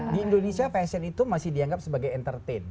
di indonesia fashion itu masih dianggap sebagai entertain